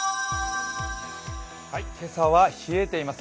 今朝は冷えています。